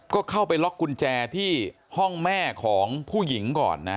ก็เข้าไปล็อกกุญแจที่ห้องแม่ของผู้หญิงก่อนนะ